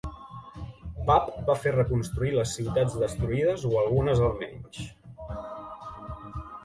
Pap va fer reconstruir les ciutats destruïdes o algunes almenys.